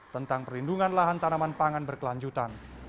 tentang perlindungan lahan tanaman pangan berkelanjutan